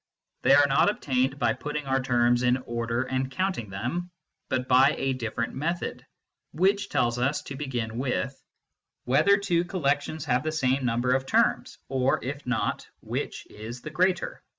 They are not obtained by putting our terms in order and counting them, but by a different method, which tells us, to begin with, whether two collections have the same number of terms, or, if not, which is the greater.